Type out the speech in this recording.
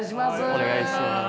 お願いします。